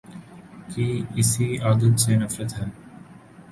کی اسی عادت سے نفرت ہے